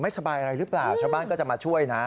สบายอะไรหรือเปล่าชาวบ้านก็จะมาช่วยนะ